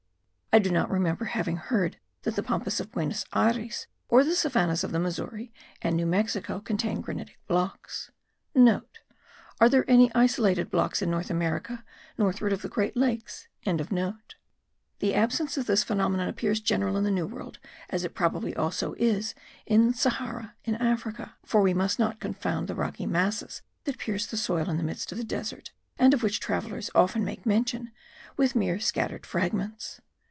I do not remember having heard that the Pampas of Buenos Ayres or the savannahs of the Missouri* and New Mexico contain granitic blocks. (* Are there any isolated blocks in North America northward of the great lakes?) The absence of this phenomenon appears general in the New World as it probably also is in Sahara, in Africa; for we must not confound the rocky masses that pierce the soil in the midst of the desert, and of which travellers often make mention, with mere scattered fragments.